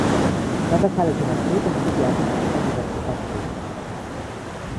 Va passar la joventut estudiant en una universitat suïssa.